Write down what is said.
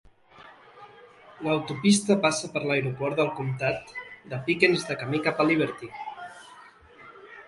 L'autopista passa per l'aeroport del comtat de Pickens de camí cap a Liberty.